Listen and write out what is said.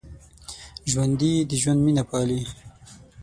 ژوندي د ژوند مینه پالي